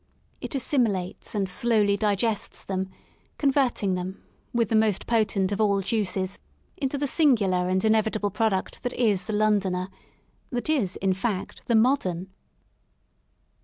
It assimilates and slowly digests them, converting them, with the most potent of all juices, into the singular and inevitable product that is the Londoner — that is, in fact, the Modern.